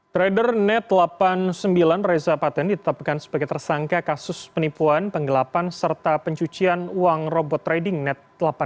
trader net delapan puluh sembilan reza paten ditetapkan sebagai tersangka kasus penipuan penggelapan serta pencucian uang robot trading net delapan puluh